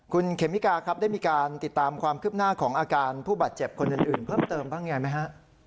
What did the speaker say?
คุณเขมิกาครับได้มีการติดตามความคืบหน้าของอาการผู้บาดเจ็บคนอื่นเพิ่มเติมบ้างไงไหมฮะ